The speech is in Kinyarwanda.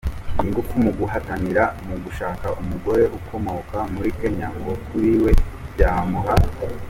ingufu mu guhatanira mu gushaka umugore ukomoka muri Kenya ngo kuri we byamuha.